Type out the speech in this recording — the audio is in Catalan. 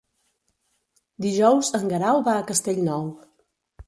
Dijous en Guerau va a Castellnou.